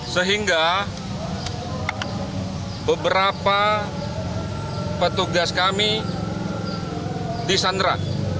sehingga beberapa petugas kami disandra